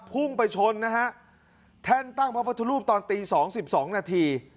พุ่งไปชนนะฮะแท่นตั้งพระพุทธรูปตอนตีสองสิบสองนาที